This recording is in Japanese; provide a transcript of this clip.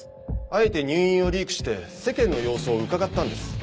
あえて入院をリークして世間の様子を伺ったんです。